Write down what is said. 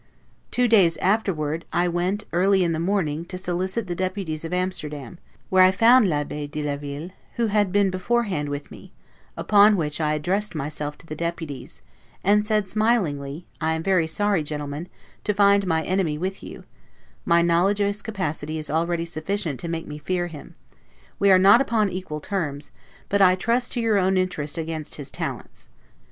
Two days afterward, I went, early in the morning, to solicit the Deputies of Amsterdam, where I found l'Abbe de la Ville, who had been beforehand with me; upon which I addressed myself to the Deputies, and said, smilingly, I am very sorry, Gentlemen, to find my enemy with you; my knowledge of his capacity is already sufficient to make me fear him; we are not upon equal terms; but I trust to your own interest against his talents.